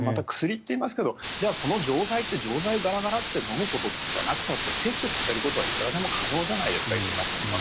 薬って言いますけどじゃあこの錠剤って錠剤バラバラッて飲むことじゃなくたって摂取させることはいくらでも可能じゃないですか。